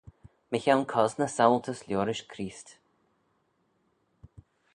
Mychione cosney saualtys liorish Creest.